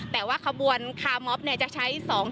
แต่ว่าขบวนคามออฟจะใช้๒ช่องจราจร